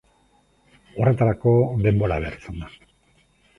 Horretarako denbora behar izan da.